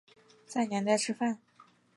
在娘家吃饭